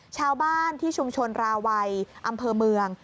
ชาวบ้านที่ชุมชนราวัยอำเภอเมือง